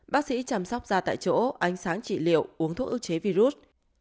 bác sĩ chăm sóc da tại chỗ ánh sáng trị liệu uống thuốc ước chế virus